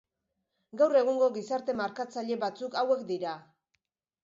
Gaur egungo gizarte-markatzaile batzuk hauek dira.